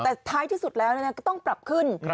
แต่ท้ายที่สุดแล้วก็ต้องปรับขึ้น